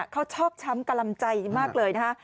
เขาชอบช้ำกำลังใจมากเลยนะคะ